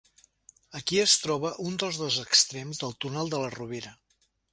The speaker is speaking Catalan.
Aquí es troba un dels dos extrems del túnel de la Rovira.